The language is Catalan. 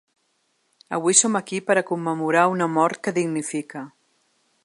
Avui som aquí per a commemorar una mort que dignifica.